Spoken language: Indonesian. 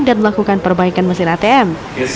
dan melakukan perbaikan mesin atm